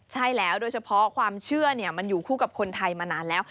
ใช่แล้วโดยเฉพาะความเชื่อมันอยู่คู่กับคนไทยมานานแล้ว